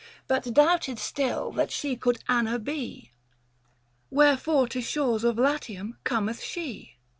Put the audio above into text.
But doubted still that she could Anna be. Wherefore to shores of Latium conieth she